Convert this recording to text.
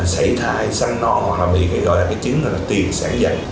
sảy thai săn non hoặc bị tiền sản dậy